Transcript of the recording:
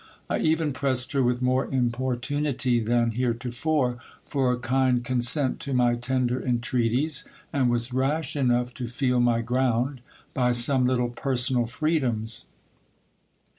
I even pressed her with more importunity than heretofore, for a land consent to my tender entreaties ; and was rash enough to feel my ground, by some little personal freedoms.